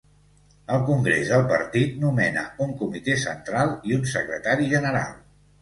El congrés del partit nomena un Comitè Central i un Secretari General.